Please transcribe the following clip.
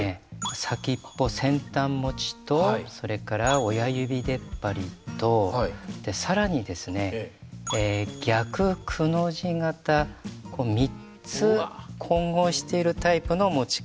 先っぽ先端持ちとそれから親指でっぱりと更にですね逆くの字型３つ混合しているタイプの持ち方。